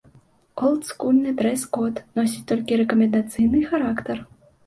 Олдскульны дрэс-код носіць толькі рэкамендацыйны характар.